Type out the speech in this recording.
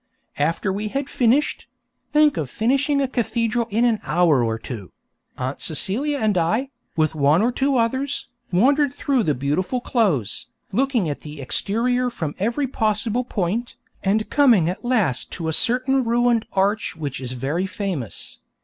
After we had finished (think of 'finishing' a cathedral in an hour or two!), Aunt Celia and I, with one or two others, wandered through the beautiful close, looking at the exterior from every possible point, and coming at last to a certain ruined arch which is very famous.